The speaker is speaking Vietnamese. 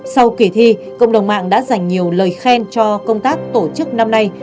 sau kỳ thi cộng đồng mạng đã dành nhiều lời khen cho công tác tổ chức năm nay